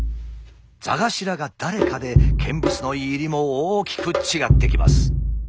座頭が誰かで見物の入りも大きく違ってきます。